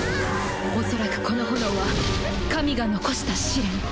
おそらくこの炎は神が残した試練。